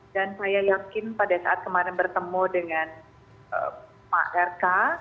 dan saya yakin pada saat kemarin bertemu dengan pak rk